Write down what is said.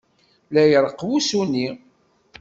La ireɣɣ wusu-nni!